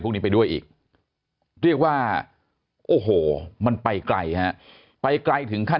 พวกนี้ไปด้วยอีกเรียกว่าโอ้โหมันไปไกลฮะไปไกลถึงขั้น